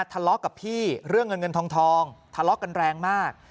ทะเลาะกับพี่เรื่องเงินเงินทองทะเลาะกันแรงมาก